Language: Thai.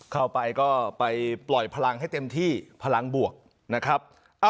เข้าไปก็ไปปล่อยพลังให้เต็มที่พลังบวกนะครับ